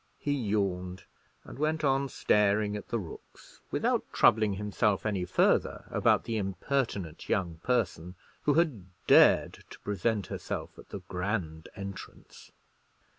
He yawned, and went on staring at the rooks, without troubling himself any further about the impertinent young person who had dared to present herself at the grand entrance.